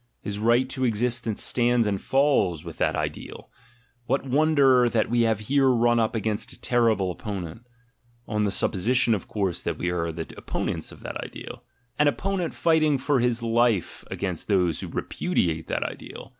His right to existence stands and falls with that ideal. What won der that we here run up against a terrible opponent (on the supposition, of course, that we are the opponents of that ideal), an opponent fighting for his life against those who repudiate that ideal!